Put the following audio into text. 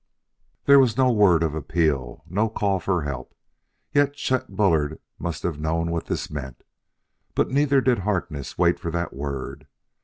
There was no word of appeal, no call for help, yet Chet Bullard must have known what this meant. But neither did Harkness wait for that word.